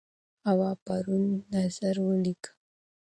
هوا پرون نظر ولیکه.